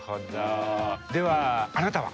ではあなたは？